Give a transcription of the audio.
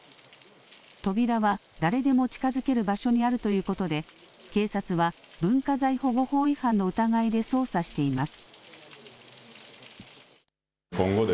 扉は誰でも近づける場所にあるということで、警察は文化財保護法違反の疑いで捜査しています。